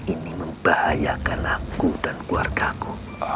ini membahayakan aku dan keluargaku